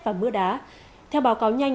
và mưa đá theo báo cáo nhanh